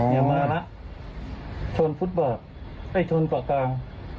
อย่ามาแล้วชนฟุตเบิร์ตไม่ชนเกาะกลาง